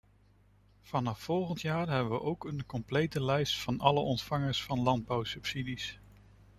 Vanaf volgend jaar hebben we ook een complete lijst van alle ontvangers van landbouwsubsidies.